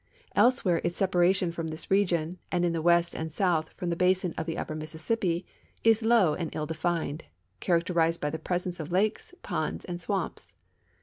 Elsewhere its sei)aration from this region, and in the west and south from the basin of the upper Mississippi, is low and ill defined, character ized by the presence of lakes, ponds, and swamps.